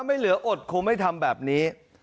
ไม่เหลืออดคงไม่ทำแบบนี้